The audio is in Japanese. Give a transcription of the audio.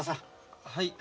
はい。